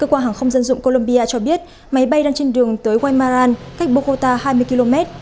cơ quan hàng không dân dụng colombia cho biết máy bay đang trên đường tới guaymaran cách bogota hai mươi km